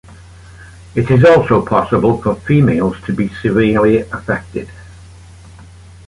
It is also possible for females to be severely affected.